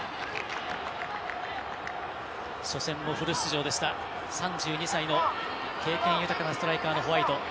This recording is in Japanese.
初戦もフル出場でした３２歳の経験豊かなストライカーのホワイト。